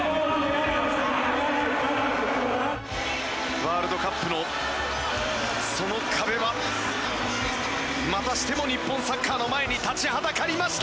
ワールドカップのその壁はまたしても日本サッカーの前に立ちはだかりました。